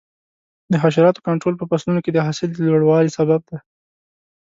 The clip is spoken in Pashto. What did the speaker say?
د حشراتو کنټرول په فصلونو کې د حاصل د لوړوالي سبب دی.